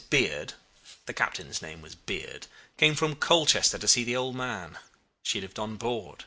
Beard (the captain's name was Beard) came from Colchester to see the old man. She lived on board.